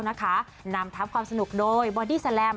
นำทัพความสนุกโดยบอดี้แลม